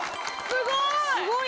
すごい！